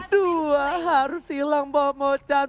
dua harus hilang bom mocan